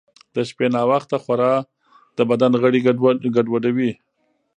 د شپې ناوخته خورا د بدن غړي ګډوډوي.